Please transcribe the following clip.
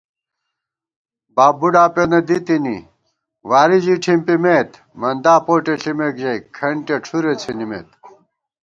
باب بُوڈا پېنہ دِتِنی، واری ژی ٹھِمپِمېت * مندا پوٹےݪِمېکژَئی کھنٹِیَہ ڄُھرےڅِھنِمېت